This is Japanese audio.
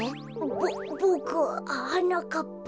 ボボクははなかっぱ。